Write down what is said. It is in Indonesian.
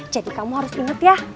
jadi kamu harus ingat ya